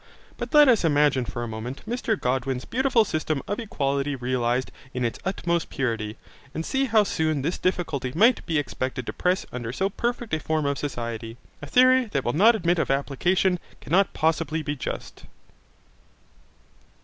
But let us imagine for a moment Mr Godwin's beautiful system of equality realized in its utmost purity, and see how soon this difficulty might be expected to press under so perfect a form of society. A theory that will not admit of application cannot possibly be just.